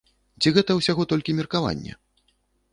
Ці гэта ўсяго толькі меркаванне?